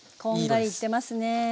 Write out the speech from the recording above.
こんがりいってますね。